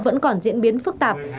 vẫn còn diễn biến phức tạp